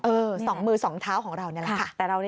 เออมือสองเท้าของเรานี่แหละค่ะ